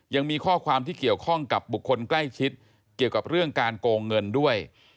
ยังมีข้อความที่เกี่ยวข้องกับบุคคลใกล้ชิดเกี่ยวกับเรื่องการโกงเงินด้วย